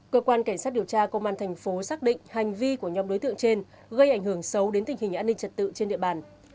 cơ quan cảnh sát điều tra công an thành phố xác định hành vi của nhóm đối tượng trên gây ảnh hưởng xấu đến tình hình an ninh trật tự trên địa bàn